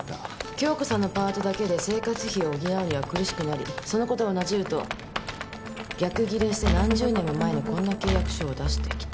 京子さんのパートだけで生活費を補うには苦しくなりそのことをなじると逆ギレして何十年も前のこんな契約書を出してきた。